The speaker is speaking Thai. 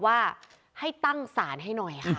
มันทำให้